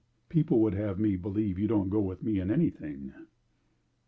"People would have me believe you don't go with me in anything."